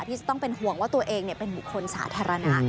ที่จะต้องเป็นห่วงว่าตัวเองเป็นบุคคลสาธารณะ